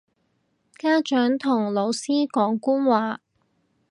家長同老師講官話